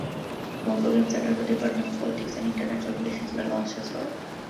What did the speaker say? More programs under the Department of Politics and International Relations were launched as well.